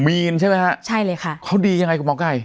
มีนใช่ไหมฮะใช่เลยค่ะเขาดียังไงคุณหมอไก่